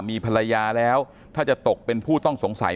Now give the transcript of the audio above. มีภรรยาแล้วถ้าจะตกเป็นผู้ต้องสงสัย